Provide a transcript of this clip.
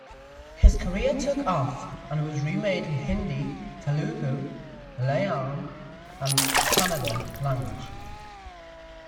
His career took off and was remade in Hindi, Telugu, Malayalam and Kannada language.